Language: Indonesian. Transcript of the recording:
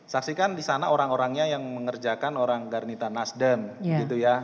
saksikan di sana orang orangnya yang mengerjakan orang garnita nasdem gitu ya